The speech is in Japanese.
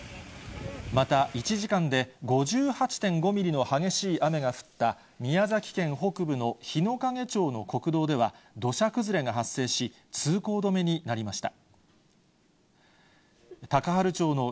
また、１時間で５８．５ミリの激しい雨が降った宮崎県北部の日之影町の国道では、土砂崩れが発生し、通行止めになりました。